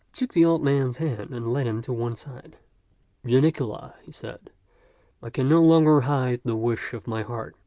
He took the old man's hand and led him to one side. "Janicula," he said, "I can no longer hide the wish of my heart.